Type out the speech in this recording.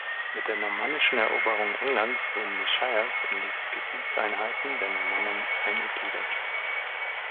Mit der normannischen Eroberung Englands wurden die Shires in die Gebietseinheiten der Normannen eingegliedert.